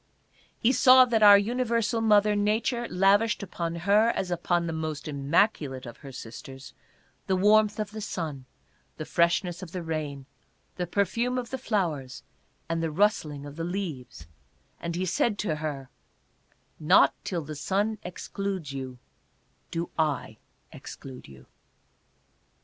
He saw that our universal mother Nature lavished upon her, as upon the most immaculate of her sisters, the warmth of the sun, the fresh ness of the rain, the perfume of the flowers and the rustling of the leaves, and he said to her, " Not till the sun excludes you do I exclude you."